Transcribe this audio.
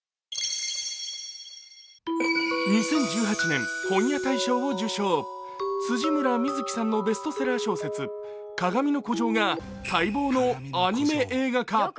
２０１８年、本屋大賞を受賞、辻村深月さんのベストセラー小説、「かがみの孤城」が待望のアニメ映画化。